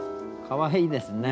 かわいいですね。